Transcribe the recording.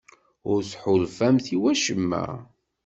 Ur tḥulfamt i wacemma?